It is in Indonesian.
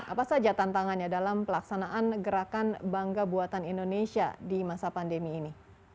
apa saja tantangannya dalam pelaksanaan gerakan bangga buatan indonesia di masa pandemi ini